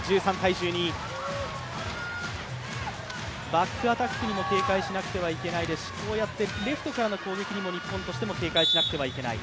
バックアタックにも警戒しなくてはいけないですし、こうやってレフトからの攻撃にも日本は警戒しなければいけない。